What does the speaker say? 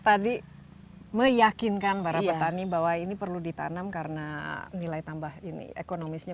tadi meyakinkan para petani bahwa ini perlu ditanam karena nilai tambah ini ekonomisnya